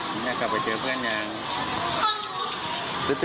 ดีใจ